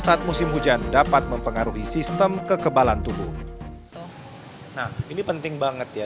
saat musim hujan dapat mempengaruhi sistem kekebalan tubuh nah ini penting banget ya